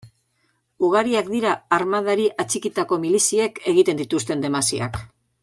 Ugariak dira armadari atxikitako miliziek egiten dituzten desmasiak.